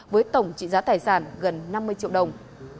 với tổng trị giá tài sản gần năm mươi triệu đồng